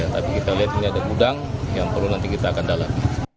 tapi kita lihat ini ada gudang yang perlu nanti kita akan dalam